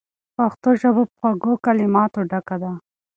پښتو ژبه په خوږو کلماتو ډکه ده.